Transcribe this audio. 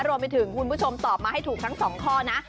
คุณผู้ชมตอบมาให้ถูกทั้งสองข้อนะ